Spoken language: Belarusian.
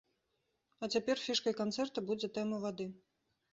А цяпер фішкай канцэрта будзе тэма вады.